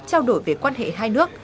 trao đổi về quan hệ hai nước